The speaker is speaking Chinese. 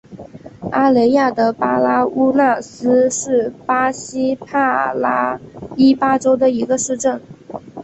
阿雷亚德巴拉乌纳斯是巴西帕拉伊巴州的一个市镇。